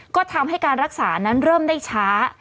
ก็ทำให้การรักษานั้นเริ่มได้ช้า